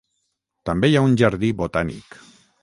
També hi ha un jardí botànic.